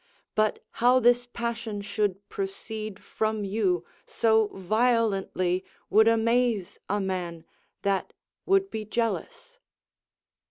But how this passion should proceed from you So violently, would amaze a man That would be jealous.